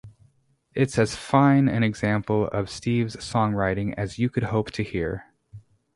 It’s as fine an example of Steve’s songwriting as you could hope to hear.